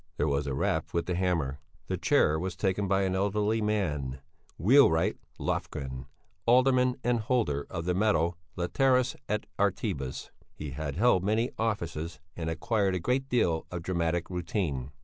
There was a rap with the hammer. The chair was taken by an elderly man, Wheelwright Löfgren, alderman and holder of the medal Litteris et artibus. He had held many offices and acquired a great deal of dramatic routine.